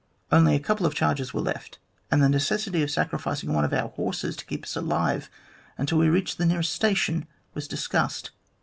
Only a couple of charges were left, and the necessity of sacrificing one of our horses to keep us alive until we reached the nearest station was discussed.